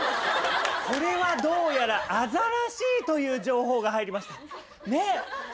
これはどうやらあざらしいという情報が入りました。